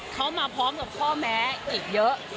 เขามาพร้อมกับพ่อแม้อีกเยอะ